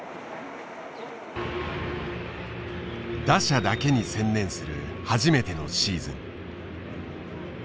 打者だけに専念する初めてのシーズン。